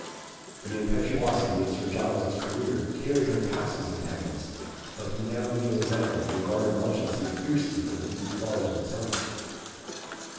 The impetuosity of Sir Giles's career carried him past his antagonist, but he now wheeled round, and regarded Mounchensey fiercely from beneath the bars of his helmet.